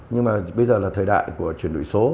nhưng mà bây giờ là thời đại của chuyển đổi số